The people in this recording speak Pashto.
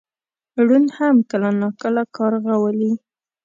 ړوند هم کله ناکله کارغه ولي .